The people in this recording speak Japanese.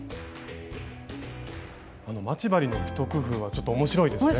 待ち針の一工夫はちょっと面白いですね。